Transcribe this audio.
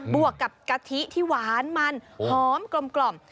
วกกับกะทิที่หวานมันหอมกลม